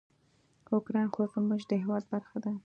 اوکراین خو زموږ د هیواد برخه ده.